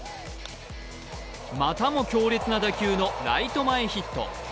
またも強烈な打球のライト前ヒット。